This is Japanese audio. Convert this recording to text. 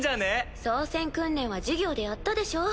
操船訓練は授業でやったでしょ？